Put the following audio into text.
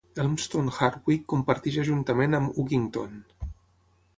Elmstone Hardwicke comparteix ajuntament amb Uckington.